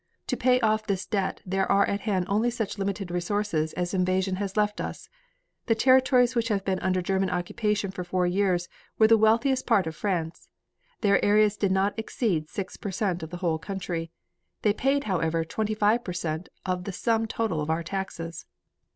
To payoff this debt there are at hand only such limited resources as invasion has left us. The territories which have been under German occupation for four years were the wealthiest part of France. Their area did not exceed six per cent of the whole country. They paid, however, twenty five per cent of the sum total of our taxes.